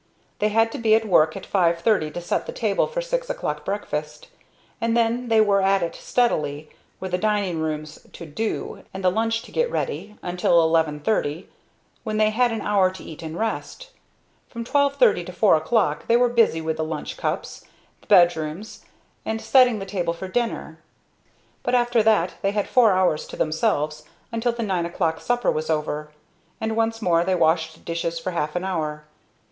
They had to be at work at 5:30 to set the table for six o'clock breakfast, and then they were at it steadily, with the dining rooms to "do," and the lunch to get ready, until 11:30, when they had an hour to eat and rest. From 12:30 to 4 o'clock they were busy with the lunch cups, the bed rooms, and setting the table for dinner; but after that they had four hours to themselves, until the nine o'clock supper was over, and once more they washed dishes for half an hour.